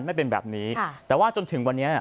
ไม่เป็นแบบนี้แต่ว่าจนถึงวันนี้